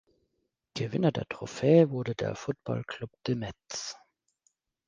Gewinner der Trophäe wurde der Football Club de Metz.